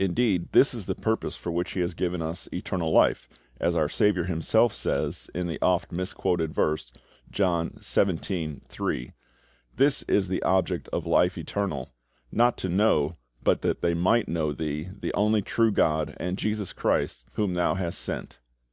Indeed, this is the purpose for which He has given us eternal life, as our SAVIOUR Himself says, in the oft misquoted verse, John xvii. 3: "This is [the object of] life eternal, [not to know but] that they might know Thee the only true GOD, and JESUS CHRIST, whom Thou hast sent."